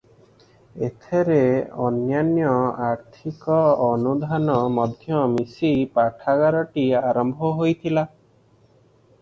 ଏଥିରେ ଅନ୍ୟାନ୍ୟ ଆର୍ଥିକ ଅନୁଦାନ ମଧ୍ୟ ମିଶି ପାଠାଗାରଟି ଆରମ୍ଭ ହୋଇଥିଲା ।